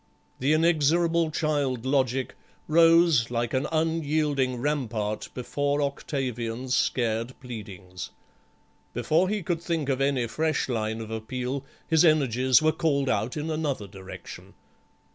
The inexorable child logic rose like an unyielding rampart before Octavian's scared pleadings. Before he could think of any fresh line of appeal his energies were called out in another direction.